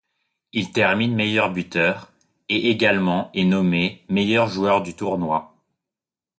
Il termine meilleur buteur, et également est nommé meilleur joueur du tournoi.